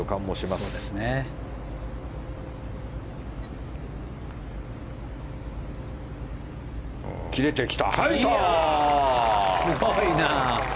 すごいな！